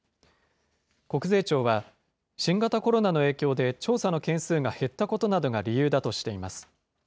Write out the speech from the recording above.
国税庁は新型コロナの影響で調査の件数が減ったことなどが理由だとしています。